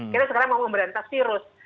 kita sekarang mau memberantas virus